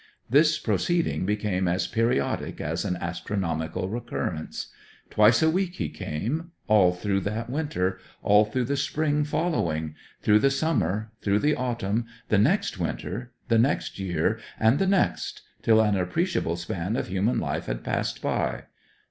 This proceeding became as periodic as an astronomical recurrence. Twice a week he came all through that winter, all through the spring following, through the summer, through the autumn, the next winter, the next year, and the next, till an appreciable span of human life had passed by.